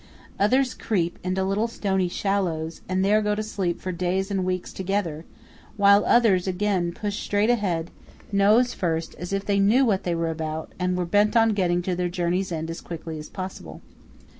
Others creep into little stony shallows, and there go to sleep for days and weeks together; while others, again, push straight ahead, nose first, as if they knew what they were about, and were bent on getting to their journey's end as quickly as possible.